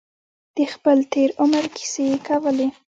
د خپل تېر عمر کیسې یې کولې.